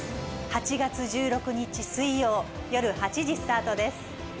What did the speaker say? ８月１６日水曜よる８時スタートです。